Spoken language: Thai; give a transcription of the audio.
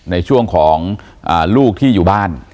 ในช่วงของลูกที่อยู่บ้าน